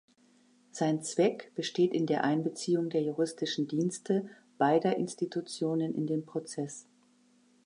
Sein Zweck besteht in der Einbeziehung der Juristischen Dienste beider Institutionen in den Prozess.